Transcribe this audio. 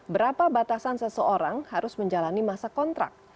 berapa batasan seseorang harus menjalani masa kontrak